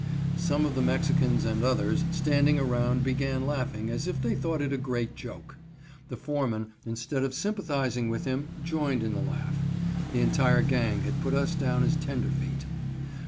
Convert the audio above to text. Some of the Mexicans and others standing around began laughing as if they thought it a great joke. The foreman, instead of sympathizing with him, joined in the laugh. (The entire gang had put us down as tenderfeet.)